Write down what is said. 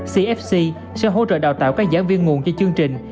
cfc sẽ hỗ trợ đào tạo các giảng viên nguồn cho chương trình